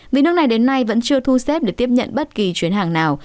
vì nước này đến nay vẫn chưa thu xếp để tiếp nhận bất kỳ chuyến hàng nào